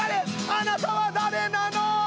あなたは誰なの！